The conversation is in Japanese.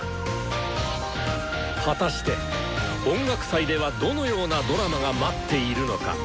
果たして音楽祭ではどのようなドラマが待っているのか⁉